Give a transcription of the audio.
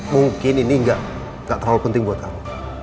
mungkin ini nggak terlalu penting buat kami